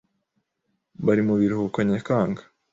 Bari mu biruhuko Nyakanga.